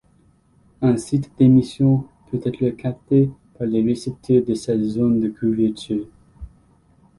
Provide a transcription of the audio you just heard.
Un site d'émission peut être capté par les récepteurs de sa zone de couverture.